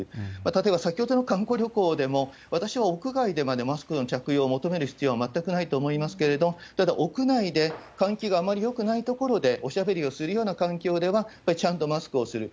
例えば、先ほどの観光旅行でも、私は屋外でまでマスクの着用を求める必要は全くないと思いますけれども、ただ、屋内で換気があまりよくないところでおしゃべりをするような環境では、やっぱりちゃんとマスクをする。